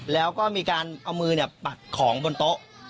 แล้วก็มีการเอามือปักของบนโต๊ะ